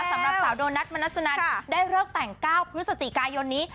สำหรับสาวโดนัทมณสนัทได้เริ่มแต่งก้าวพฤศจิกายนนี้